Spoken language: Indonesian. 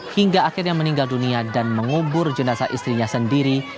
hingga akhirnya meninggal dunia dan mengubur jenazah istrinya sendiri